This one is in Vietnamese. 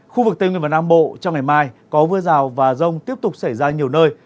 khu vực tây nguyên và nam bộ trong ngày mai có mưa rào và rông tiếp tục xảy ra nhiều nơi